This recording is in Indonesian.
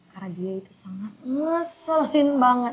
karena dia itu sangat ngeselin banget